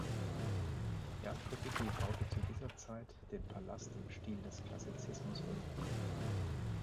Jan Kubicki baute zu dieser Zeit den Palast im Stil des Klassizismus um.